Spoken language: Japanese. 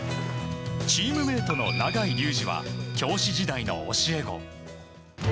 チームメートの永井竜二は教師時代の教え子。